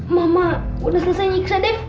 mama udah selesai nyiksanya dev